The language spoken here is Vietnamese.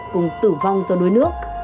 cùng tử vong do đuối nước